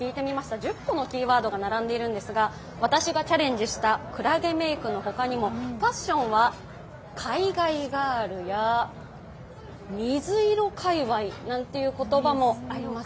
１０個のキーワードが並んでいるんですが、私がチャレンジしたくらげメイクのほかにもファッションは海外ガールや水色界わいなんていう言葉もあります。